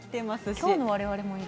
今日の我々もいる。